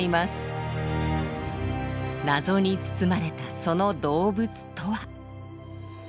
謎に包まれたその動物とは。